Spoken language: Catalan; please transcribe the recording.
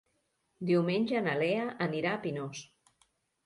Diumenge na Lea anirà a Pinós.